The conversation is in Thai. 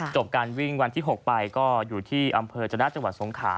การวิ่งวันที่๖ไปก็อยู่ที่อำเภอจนะจังหวัดสงขา